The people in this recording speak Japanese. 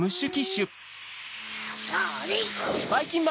それ！